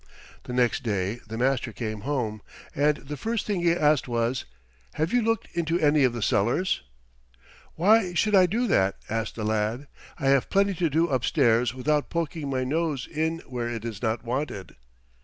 The next day the master came home, and the first thing he asked was, "Have you looked into any of the cellars?" "Why should I do that?" asked the lad. "I have plenty to do upstairs without poking my nose in where it is not wanted."